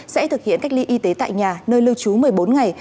sẽ thực hiện cách ly y tế tại nhà nơi lưu trú một mươi bốn ngày